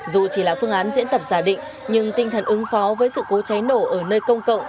dù chỉ là phương án diễn tập giả định nhưng tinh thần ứng phó với sự cố cháy nổ ở nơi công cộng